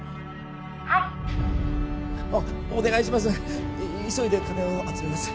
はいお願いします